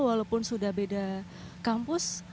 walaupun sudah beda kampus